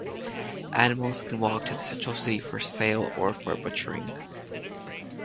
Animals can walk to the central city for sale or for butchering.